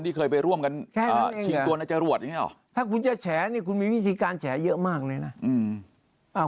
ที่เคยไปร่วมกันชิงตัวนายจรวดอย่างนี้หรอถ้าคุณจะแฉนี่คุณมีวิธีการแฉเยอะมากเลยนะ